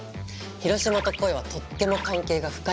広島と鯉はとっても関係が深いんだよ。